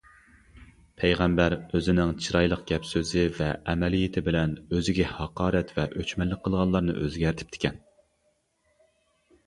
پەيغەمبەر ئۆزىنىڭ چىرايلىق گەپ-سۆزى ۋە ئەمەلىيىتى بىلەن ئۆزىگە ھاقارەت ۋە ئۆچمەنلىك قىلغانلارنى ئۆزگەرتىپتىكەن.